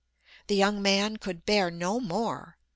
The young man could bear no more.